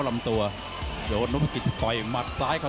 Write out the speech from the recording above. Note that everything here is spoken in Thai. น้ำเงินรอโต